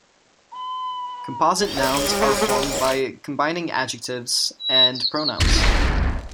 Composite nouns are formed by combining adjectives and pronouns.